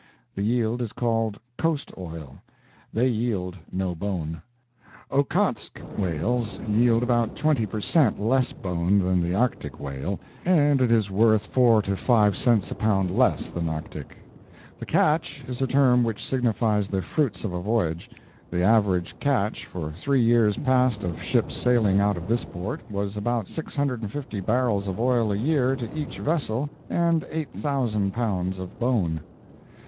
The yield is called "coast oil." They yield no bone. Ockotsk whales yield about twenty per cent. less bone than the Arctic whale, and it is worth four to five cents a pound less than Arctic. The "catch" is a term which signifies the fruits of a voyage. The average catch for three years past of ships sailing out of this port, was about 650 barrels of oil a year to each vessel, and 8,000 pounds of bone.